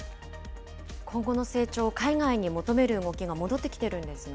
今後の成長を海外に求める動きが戻ってきているんですね。